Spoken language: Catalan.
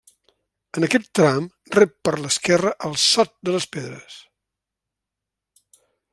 En aquest tram rep per l'esquerra el Sot de les Pedres.